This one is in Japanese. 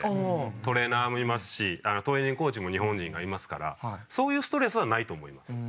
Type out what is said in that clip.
トレーナーもいますしトレーニングコーチも日本人がいますからそういうストレスはないと思います。